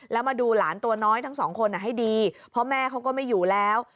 แล้วมาดูหลานตัวน้อยทั้งสองคนให้ดีเพราะแม่เขาก็ไม่อยู่แล้ว